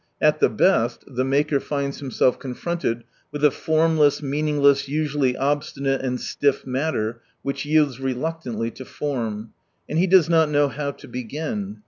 At the best, the maker finds himself confronted with a formless, meaning less, usually obstinate and stiff matter, which yields reluctantly to form. And he does nx)t know how to begin.